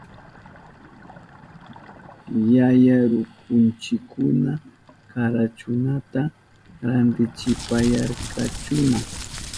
Yaya rukunchikuna karakunata rantichipayarkakuna.